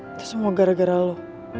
itu semua gara gara lu